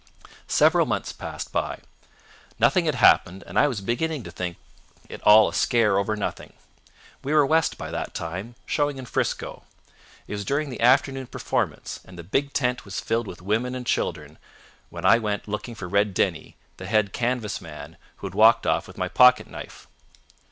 "Several months passed by. Nothing had happened and I was beginning to think it all a scare over nothing. We were West by that time, showing in 'Frisco. It was during the afternoon performance, and the big tent was filled with women and children, when I went looking for Red Denny, the head canvas man, who had walked off with my pocket knife.